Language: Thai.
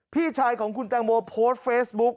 พี่ชายของคุณแตงโมโพสต์เฟซบุ๊ก